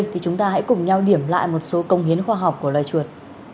thì chúng ta hãy cùng nhau điểm lại một số công hiến khoa học của loài chuột